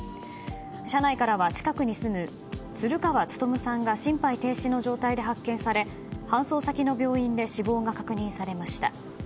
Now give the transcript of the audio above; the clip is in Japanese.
車内からは近くに住む鶴川勉さんが心配停止の状態で発見され搬送先の病院で死亡が確認されました。